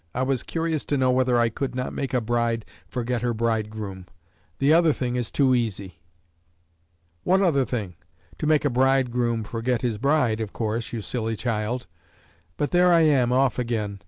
I was curious to know whether I could not make a bride forget her bridegroom. The other thing is too easy." "What other thing?" "To make a bridegroom forget his bride, of course, you silly child! But there I am, off again!